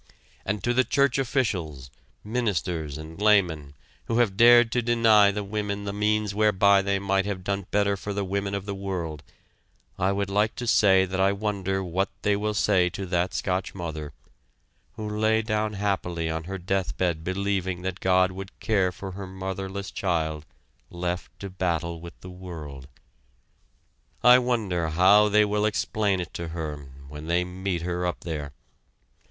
And to the church officials, ministers and laymen who have dared to deny to women the means whereby they might have done better for the women of the world, I would like to say that I wonder what they will say to that Scotch mother, who lay down happily on her death bed believing that God would care for her motherless child left to battle with the world. I wonder how they will explain it to her when they meet her up there!